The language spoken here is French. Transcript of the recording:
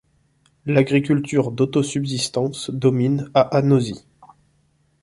L'agriculture d'auto-subsistance domine à Anôsy.